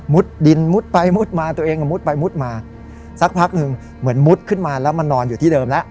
ดินมุดไปมุดมาตัวเองก็มุดไปมุดมาสักพักหนึ่งเหมือนมุดขึ้นมาแล้วมานอนอยู่ที่เดิมแล้ว